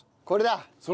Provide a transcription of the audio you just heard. これだ！